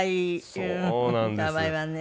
可愛いわね。